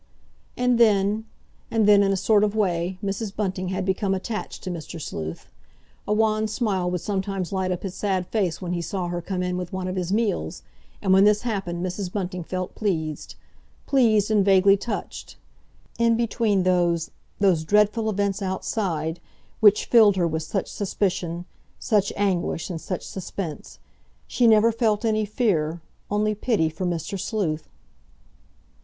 And then—and then, in a sort of way, Mrs. Bunting had become attached to Mr. Sleuth. A wan smile would sometimes light up his sad face when he saw her come in with one of his meals, and when this happened Mrs. Bunting felt pleased—pleased and vaguely touched. In between those—those dreadful events outside, which filled her with such suspicion, such anguish and such suspense, she never felt any fear, only pity, for Mr. Sleuth.